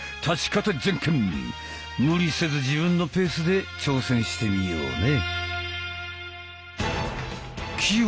無理せず自分のペースで挑戦してみようね！